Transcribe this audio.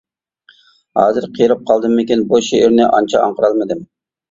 ھازىر قېرىپ قالدىممىكىن بۇ شېئىرنى ئانچە ئاڭقىرالمىدىم.